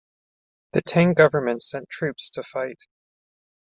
The Tang government sent troops to fight.